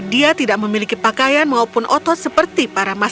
dia bertanya dengan berani melangkah maju menunggangi kudanya